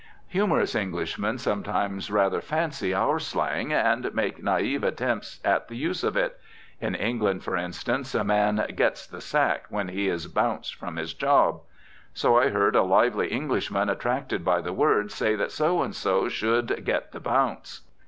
Humorous Englishmen sometimes rather fancy our slang; and make naive attempts at the use of it. In England, for instance, a man "gets the sack" when he is "bounced" from his job. So I heard a lively Englishman attracted by the word say that so and so should "get the bounce."